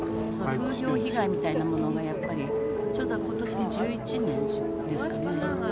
風評被害みたいなものが、やっぱり、ちょうどことしで１１年ですかね。